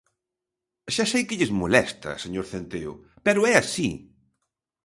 ¡Xa sei que lles molesta, señor Centeo, pero é así!